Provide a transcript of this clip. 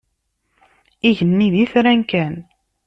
Igenni d itran kan.